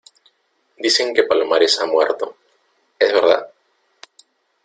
dicen que Palomares ha muerto. ¿ es verdad?